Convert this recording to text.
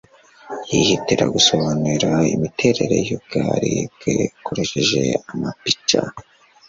yihatira gusobanura imiterere y'ubwariu bwe akoresheje amapica